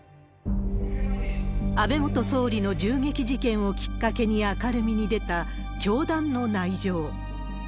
安倍元総理の銃撃事件をきっかけに明るみに出た、教団の内情。